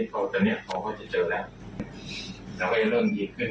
เพราะสุขใจสบายใจจริงเราก็สบายใจด้วย